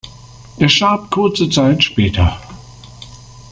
Er starb kurze Zeit später.